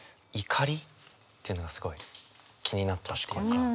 「怒り」っていうのがすごい気になったっていうか。